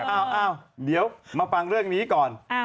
อ้าวเดี๋ยวมาฟังเรื่องนี้ก่อน